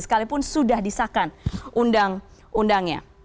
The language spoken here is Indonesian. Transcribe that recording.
sekalipun sudah disahkan undang undangnya